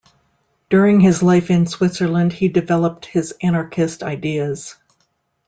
During his life in Switzerland, he developed his anarchist ideas.